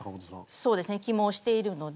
そうですね起毛しているので。